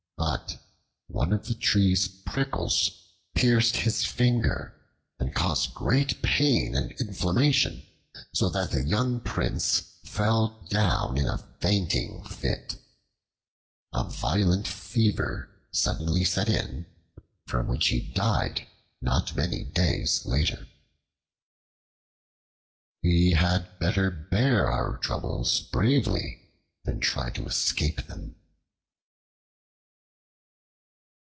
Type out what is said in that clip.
But one of the tree's prickles pierced his finger and caused great pain and inflammation, so that the young Prince fell down in a fainting fit. A violent fever suddenly set in, from which he died not many days later. We had better bear our troubles bravely than try to escape them.